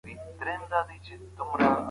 په کور کي د درس لپاره بهر ته نه کتل کېږي.